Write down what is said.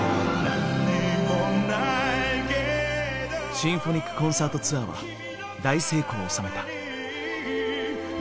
シンフォニックコンサートツアーは大成功を収めた。